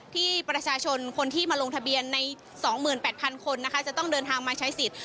ที่ประชาชนคนที่มาลงทะเบียนใน๒๘๐๐คนนะคะจะต้องเดินทางมาใช้สิทธิ์